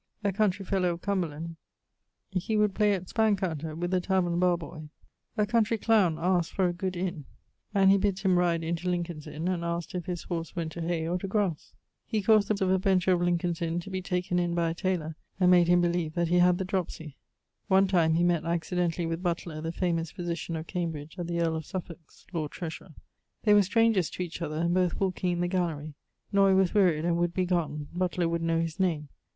A countrey fellow of Cumberland.... He would play at spanne counter with the taverne barre boy. A countrey clowne asked for a good inne, and he bids him ride into Lincoln's Inne, and asked if his horse went to hay or to grasse. He caused the breeches of a bencher of Lincolne's Inne to be taken in by a tayler and made him beleeve that he had the dropsie. One time he mett accidentally with Butler, the famous physitian of Cambridge, at the earle of Suffolke's (Lord Treasurer). They were strangers to each other, and both walking in the gallerie. Noy was wearied, and would be gonne. Butler would know his name.